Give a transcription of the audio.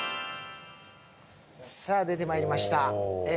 さあ出てまいりました。